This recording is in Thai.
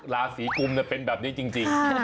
ราศีกุมเป็นแบบนี้จริง